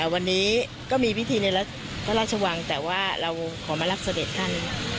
วันนี้ก็มีพิธีในพระราชวังแต่ว่าเราขอมารับเสด็จท่าน